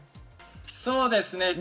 そうですね。